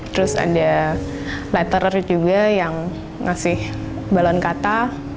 terus ada letter juga yang ngasih balon kata